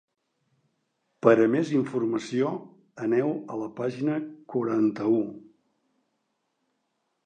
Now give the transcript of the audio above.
Per a més informació, aneu a la pàgina quaranta-u.